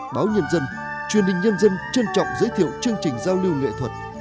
báo nhân dân truyền hình nhân dân trân trọng giới thiệu chương trình giao lưu nghệ thuật